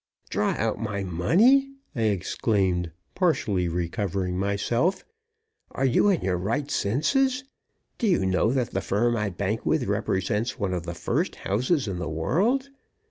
"Draw out my money!" I exclaimed, partially recovering myself. "Are you in your right senses? Do you know that the firm I bank with represents one of the first houses in the world?